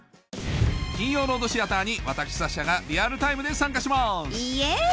金曜ロードシアターに私サッシャがリアルタイムで参加しますイェイ！